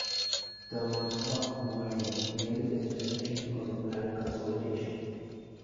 The Maehwa Mareum nearly faced destruction because of land consolidation.